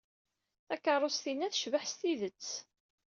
Takeṛṛust-inna tecbeḥ s tidet.